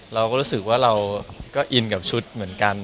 เราก็รู้สึกว่าเราก็อินกับชุดเหมือนกัน